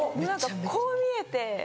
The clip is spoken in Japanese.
こう見えて。